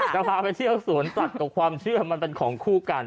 จะพาไปเที่ยวสวนสัตว์กับความเชื่อมันเป็นของคู่กัน